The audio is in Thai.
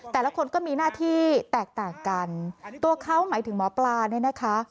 แต่ละคนก็มีหน้าที่แตกต่างกันตัวเขาหมายถึงหมอปลาเนี่ยนะคะ